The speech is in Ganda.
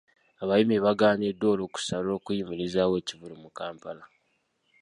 Abayimbi bagaaniddwa olukusa lw'okuyimirizaawo ekivvulu mu Kampala.